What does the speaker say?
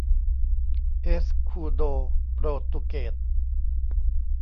เอสคูโดโปรตุเกส